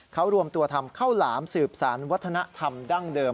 เขารวมตัวทำข้าวหลามสืบสารวัฒนธรรมดั้งเดิม